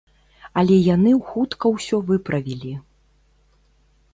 Але яны хутка ўсё выправілі.